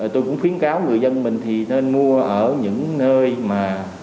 tôi cũng khuyến cáo người dân mình thì nên mua ở những nơi mà